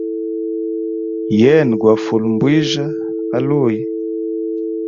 Yena gwa fule mbwijya aluyi.